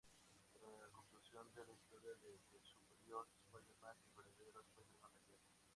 Tras la conclusión de la historia de "The Superior Spider-Man", el verdadero Spider-Man regresa.